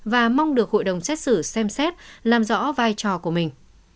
và mong được hội đồng xét xử xem xét làm rõ vai trò của mình